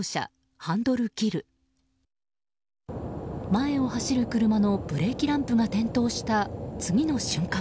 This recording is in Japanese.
前を走る車のブレーキランプが点灯した、次の瞬間。